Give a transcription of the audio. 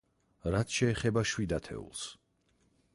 რაც შეეხება შვიდ ათეულს.